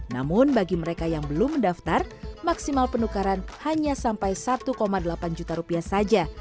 namun bagi mereka yang belum mendaftar maksimal penukaran hanya sampai satu delapan juta rupiah saja